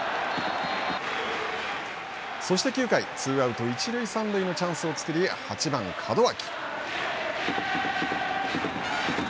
そして９回ツーアウト、一塁三塁のチャンスを作り８番門脇。